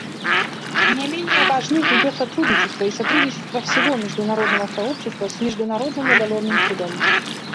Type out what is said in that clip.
Не менее важны ее сотрудничество и сотрудничество всего международного сообщества с Международным уголовным судом.